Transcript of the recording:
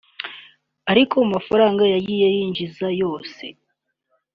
ariko mu mafaranga yagiye yinjiza yose